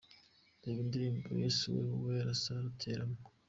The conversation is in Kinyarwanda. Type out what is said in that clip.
Reba indirimbo ‘‘Yesu we’’ Uwera Sarah ateramo:.